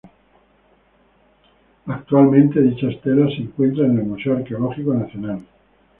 Actualmente dicha estela se encuentra en el Museo Arqueológico Nacional.